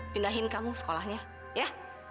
pindahin kamu sekolahnya ya